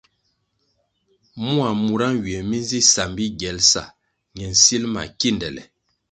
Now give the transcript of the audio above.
Mua mura nywie mi nzi sambi giel sa ñe nsil ma kindele.